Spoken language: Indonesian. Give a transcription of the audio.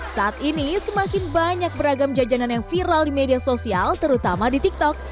saat ini semakin banyak beragam jajanan yang viral di media sosial terutama di tiktok